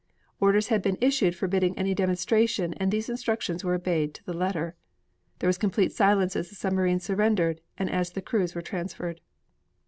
Orders had been issued forbidding any demonstration and these instructions were obeyed to the letter. There was complete silence as the submarines surrendered and as the crews were transferred.